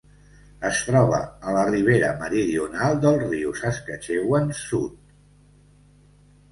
Es troba a la ribera meridional del riu Saskatchewan Sud.